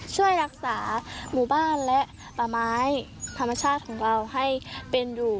ช่วยรักษาหมู่บ้านและป่าไม้ธรรมชาติของเราให้เป็นอยู่